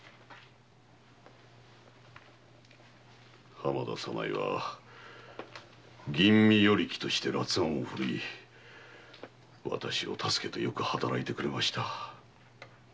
浜田は吟味与力として辣腕を振るい私を助けてよく働いてくれました。